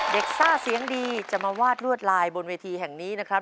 ซ่าเสียงดีจะมาวาดลวดลายบนเวทีแห่งนี้นะครับ